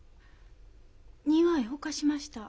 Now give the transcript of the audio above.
庭へほかしました。